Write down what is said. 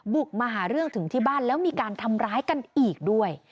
บุกมาหาเรื่องถึงที่บ้านแล้วมีการทำร้ายกันอีกด้วย